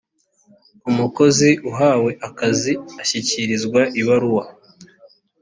umukozi uhawe akazi ashyikirizwa ibaruwa